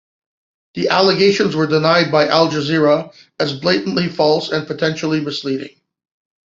The allegations were denied by Al Jazeera as "blatantly false" and "potentially misleading.